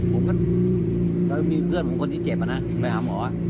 ผมก็มีเพื่อนของคนที่เจ็บไปหาหมอ